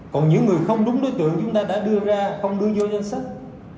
còn những người không đúng đối tượng chúng ta đã đưa ra không đưa vô danh sách